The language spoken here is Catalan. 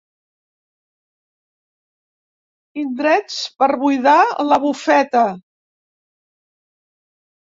Indrets per buidar la bufeta.